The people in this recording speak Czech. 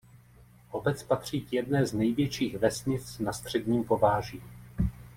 Obec patří k jedné z největších vesnic na středním Pováží.